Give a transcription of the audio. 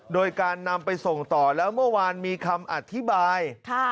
โดยการนำไปส่งต่อแล้วเมื่อวานมีคำอธิบาย